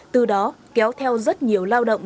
từ đó kéo theo rất nhiều lao động